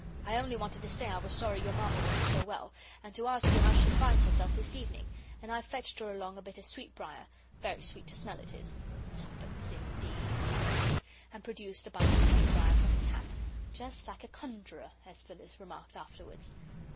I only wanted to say I was sorry your Mamma wasn't so well, and to ask how she finds herself this evening and I've fetched her along a bit of sweetbrier, very sweet to smell it is. Twopence indeed," said he, and produced a bunch of sweetbrier from his hat, "just like a conjurer," as Phyllis remarked afterwards.